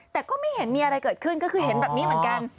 แต่ก็ไม่เห็นมีอะไรเกิดขึ้นก็คือเห็นแบบนี้เหมือนกัน